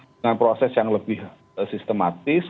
dengan proses yang lebih sistematis